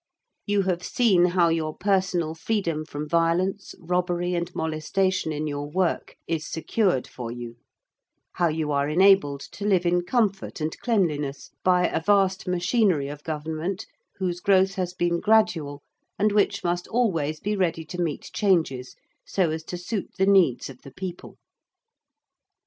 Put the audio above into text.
You have seen how your personal freedom from violence, robbery, and molestation in your work is secured for you: how you are enabled to live in comfort and cleanliness by a vast machinery of Government whose growth has been gradual and which must always be ready to meet changes so as to suit the needs of the people.